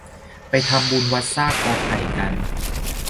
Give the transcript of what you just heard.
ไปทำบุญวัดชากกอไผ่กัน